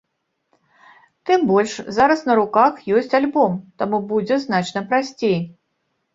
Тым больш зараз на руках ёсць альбом, таму будзе значна прасцей.